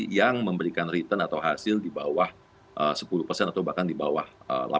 sehingga menyebabkan cicilan atau investasi yang berisiko relatif lebih kecil dibandingkan kalau kita menggunakan instrumen investasi